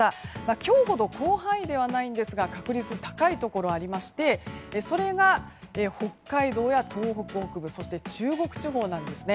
今日ほど広範囲ではないんですが確率が高いところがありましてそれが北海道や東北北部中国地方なんですね。